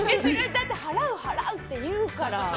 だって払う、払うって言うから。